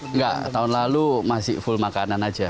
enggak tahun lalu masih full makanan aja